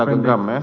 senjata genggam ya